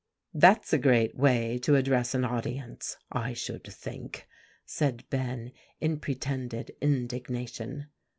"That's a great way to address an audience, I should think," said Ben in pretended indignation.